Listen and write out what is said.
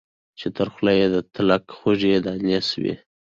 چي تر خوله یې د تلک خوږې دانې سوې